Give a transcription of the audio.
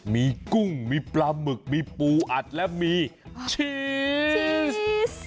มีกุ้งมีปลาหมึกมีปูอัดและมีชีส